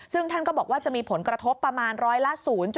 ซึ่งท่านก็บอกว่าจะมีผลกระทบประมาณร้อยละ๐๗